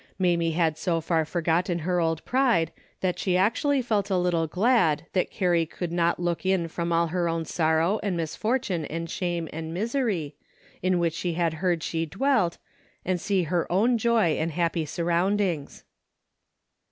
Mamie had so far forgotten her old pride that she actually felt a little glad that Carrie could not look in from all her own sor row and misfortune and shame and misery, in which she had heard she dwelt, and see her own joy and happy surroundings.